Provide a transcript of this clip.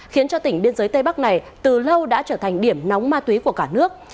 khiến cho tỉnh biên giới tây bắc này từ lâu đã trở thành điểm nóng ma túy của cả nước